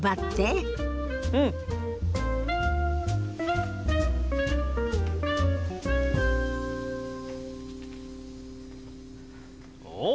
うん！おっ！